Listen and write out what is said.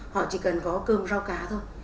họ chỉ cần có cơm rau cá thôi